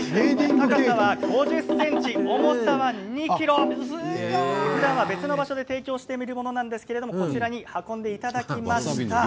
高さは５０ｃｍ重さ２ｋｇふだんは別の場所で提供しているんですがこちらに運んでいただきました。